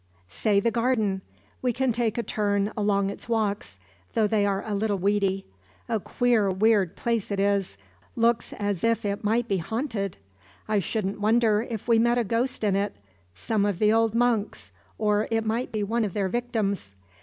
"Say the garden. We can take a turn along its walks, though they are a little weedy. A queer weird place it is looks as if it might be haunted. I shouldn't wonder if we met a ghost in it some of the old monks; or it might be one of their victims.